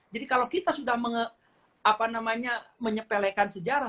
jadi kalau kita sudah menyepelekan sejarah